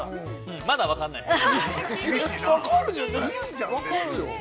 ◆まだ分かんないです。